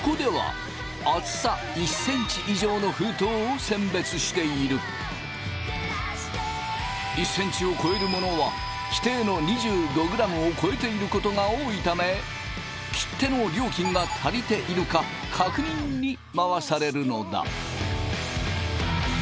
ここでは１ｃｍを超えるものは規定の２５ｇを超えていることが多いため切手の料金が足りているか確認に回されるのだ。